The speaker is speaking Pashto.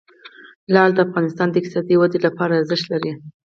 لعل د افغانستان د اقتصادي ودې لپاره ارزښت لري.